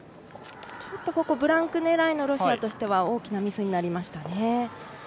ブランク狙いのロシアとしては大きなミスになりましたね。